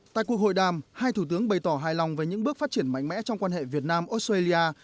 tại cuộc hội đàm hai thủ tướng bày tỏ hài lòng về những bước phát triển mạnh mẽ trong quan hệ việt nam australia